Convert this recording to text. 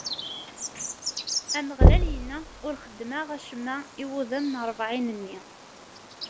Ameɣlal inna: Ur xeddmeɣ acemma i wudem n ṛebɛin-nni.